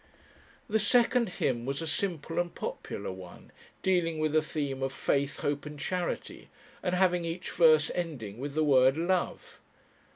The second hymn was a simple and popular one, dealing with the theme of Faith, Hope, and Charity, and having each verse ending with the word "Love."